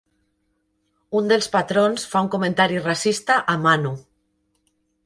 Un dels patrons fa un comentari racista a Manu.